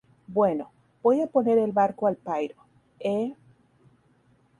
bueno, voy a poner el barco al pairo, ¿ eh?